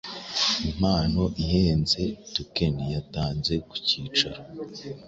Impano ihenze-token yatanze ku cyicaro